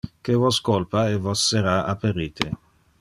Que vos colpa e vos sera aperite.